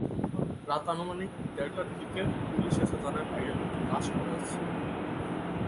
রাত আনুমানিক দেড়টার দিকে পুলিশ এসে জানায় বাইরে দুটি লাশ পড়ে আছে।